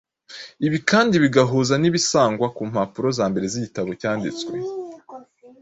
ibi kandi bigahuza nibisangwa ku mpapuro zambere zigitabo cyanditswe